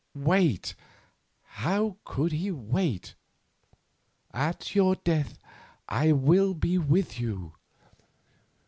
Wait! How could he wait? "At your death I will be with you."